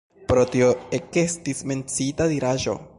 Pro tio ekestis menciita diraĵo.